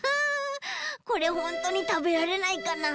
これほんとにたべられないかな。